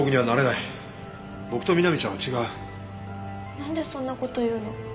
なんでそんな事言うの？